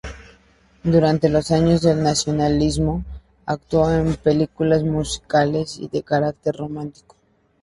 Durante los años del Nacionalsocialismo, actuó en películas musicales y de carácter romántico.